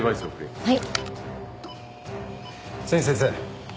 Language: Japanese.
はい！